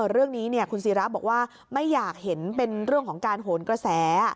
เรื่องนี้คุณศิราบอกว่าไม่อยากเห็นเป็นเรื่องของการโหนกระแส